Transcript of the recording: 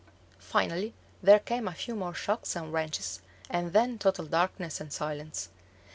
Finally there came a few more shocks and wrenches, and then total darkness and silence.